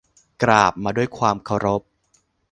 กราบมาด้วยความเคารพ